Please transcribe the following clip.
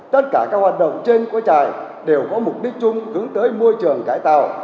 tất cả các hoạt động trên quốc trại đều có mục đích chung hướng tới môi trường cải tạo